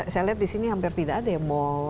saya lihat disini hampir tidak ada ya mall